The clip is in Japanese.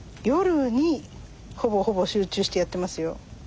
夜にほぼほぼ集中してやってますよ。